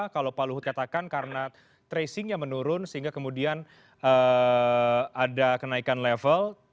kalau pak luhut katakan karena tracingnya menurun sehingga kemudian ada kenaikan level